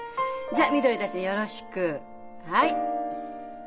じゃみどりたちによろしくはい。